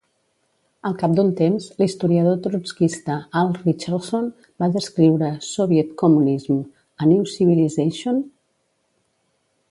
Al cap d'un temps, l'historiador trotskista Al Richardson va descriure " Soviet Communism: A New Civilization?"